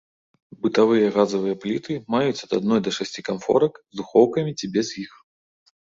Бытавыя газавыя пліты маюць ад адной да шасці канфорак, з духоўкамі ці без іх.